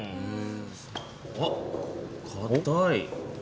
あっかたい。